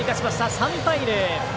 ３対０。